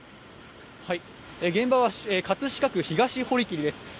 現場は葛飾区東堀切です。